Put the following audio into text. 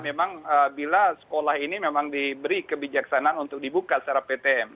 memang bila sekolah ini memang diberi kebijaksanaan untuk dibuka secara ptm